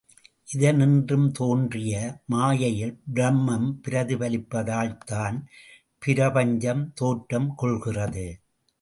இதினின்றும் தோன்றிய மாயையில் பிரம்மம் பிரதிபலிப்பதால்தான் பிரபஞ்சம் தோற்றம் கொள்கிறது.